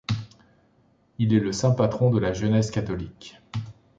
Il est le saint patron de la jeunesse catholique.